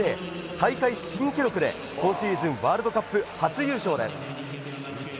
大会新記録で今シーズンワールドカップ初優勝です。